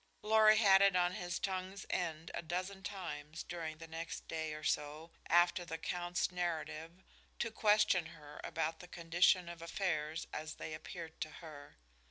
Lorry had it on his tongue's end a dozen times during the next day or so after the count's narrative to question her about the condition of affairs as they appeared to her.